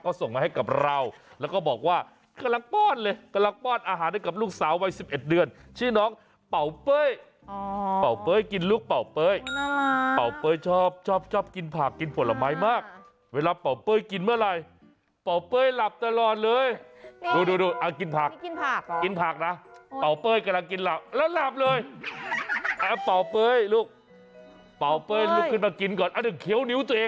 เขาส่งมาให้กับเราแล้วก็บอกว่ากำลังป้อนเลย